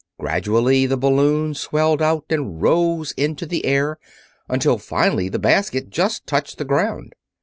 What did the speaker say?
Gradually the balloon swelled out and rose into the air, until finally the basket just touched the ground.